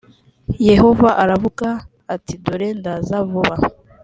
yehova aravuga ati dore ndaza vuba